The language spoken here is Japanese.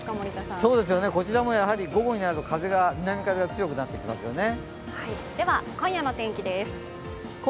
午後になると南風が強くなってきますよね。